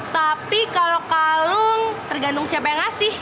tapi kalau kalung tergantung siapa yang ngasih